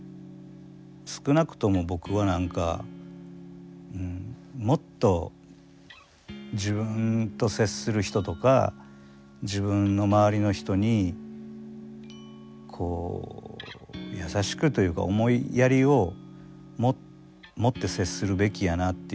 少なくとも僕は何かもっと自分と接する人とか自分の周りの人にこう優しくというか思いやりを持って接するべきやなっていう。